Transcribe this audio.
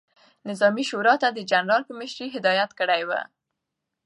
نظامي شورا ته د جنرال په مشري هدایت کړی ؤ،